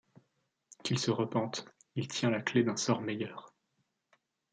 Qu’il se repente, il tient la clef d’un sort meilleur.